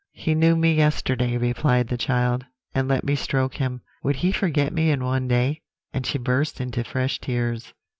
"'He knew me yesterday,' replied the child, 'and let me stroke him. Would he forget me in one day?' and she burst into fresh tears."